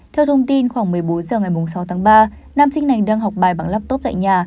theo thông tin khoảng một mươi bốn h ngày sáu tháng ba nam sinh này đang học bài bằng laptop tại nhà